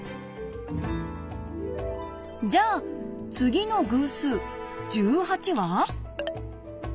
じゃあ次の偶数１８は？